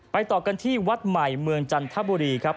ต่อกันที่วัดใหม่เมืองจันทบุรีครับ